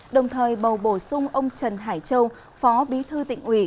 đồng thời bầu bổ sung ông trần hải châu phó bí thư tỉnh ủy